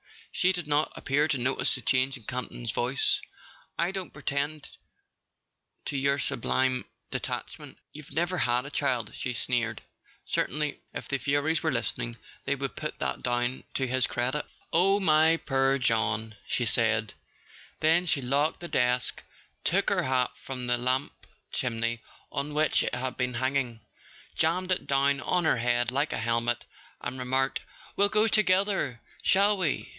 She did not appear to notice the change in Campton's voice. "I don't pretend to your sublime detachment: you've never had a child," he sneered. (Certainly, if the Furies were listening, they would put that down to his credit!) [ 214 ] A SON AT THE FRONT "Oh, my poor John," she said; then she locked the desk, took her hat from the lamp chimney on which it had been hanging, jammed it down on her head like a helmet, and remarked: "We'll go together, shall we?